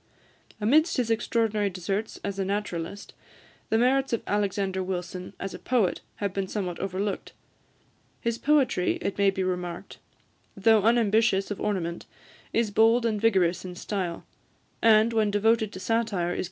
Amidst his extraordinary deserts as a naturalist, the merits of Alexander Wilson as a poet have been somewhat overlooked. His poetry, it may be remarked, though unambitious of ornament, is bold and vigorous in style, and, when devoted to satire, is keen and vehement.